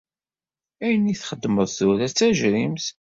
Ayen i la txeddmeḍ tura d tajrimt.